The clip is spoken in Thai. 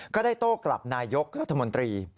ก็ได้โต้กลับนายกรัฐมนตรี